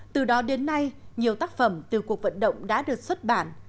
từ đó đến nay nhiều tác phẩm từ cuộc vận động đã được xuất bản